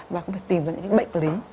và cũng phải tìm ra những bệnh lý